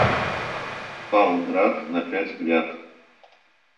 Пал град на пять гряд.